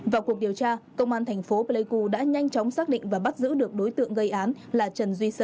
vào cuộc điều tra công an thành phố pleiku đã nhanh chóng xác định và bắt giữ được đối tượng gây án là trần duy sơn